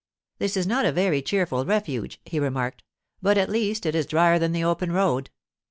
'This is not a very cheerful refuge,' he remarked; 'but at least it is drier than the open road.